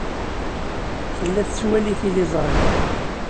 Tella tettwali tiliẓri.